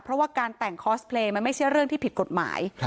เพราะว่าการแต่งคอสเพลย์มันไม่ใช่เรื่องที่ผิดกฎหมาย